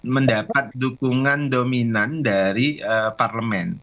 mendapat dukungan dominan dari parlemen